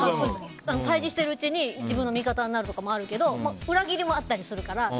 対峙しているうちに自分の味方になるとかもあるけど裏切りもあったりするから。